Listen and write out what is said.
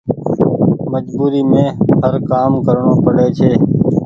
مجبوري مين هر ڪآم ڪرڻو پڙي ڇي۔